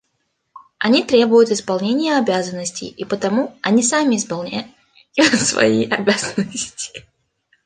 Они требуют исполнения обязанностей, и потому они сами исполняют свои обязанности.